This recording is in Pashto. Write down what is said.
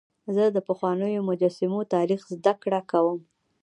زه د پخوانیو مجسمو تاریخ زدهکړه کوم.